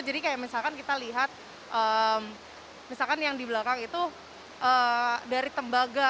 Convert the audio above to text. jadi misalkan kita lihat misalkan yang di belakang itu dari tembaga